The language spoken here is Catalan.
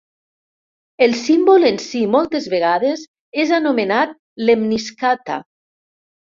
El símbol en si moltes vegades és anomenat lemniscata.